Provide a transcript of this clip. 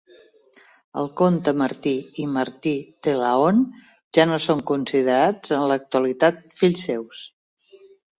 El comte Martí i Martí de Laon ja no són considerats en l'actualitat fills seus.